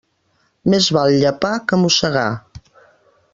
Més val llepar que mossegar.